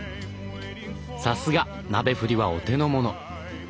さすが鍋振りはお手のもの。